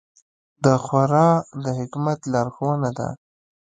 دا خورا د حکمت لارښوونه ده.